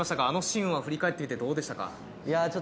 あのシーンは振り返ってみてどうでしたか？